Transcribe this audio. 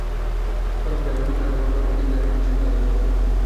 বরাবরই আমি এমন কারও প্রেমে পড়তে চেয়েছি, যাকে আমি শ্রদ্ধা করতে পারব।